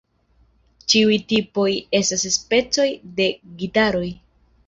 Ĉiuj tipoj estas specoj de gitaroj.